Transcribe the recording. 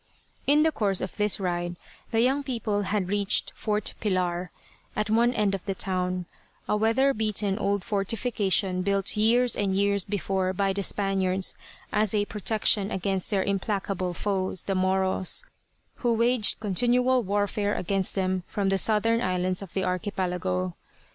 In the course of this ride the young people had reached Fort Pilar, at one end of the town, a weather beaten old fortification built years and years before by the Spaniards as a protection against their implacable foes, the Moros, who waged continual warfare against them from the southern islands of the archipelago.